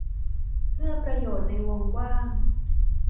เพื่อประโยชน์ในวงกว้าง